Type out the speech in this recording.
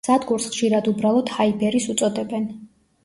სადგურს ხშირად უბრალოდ ჰაიბერის უწოდებენ.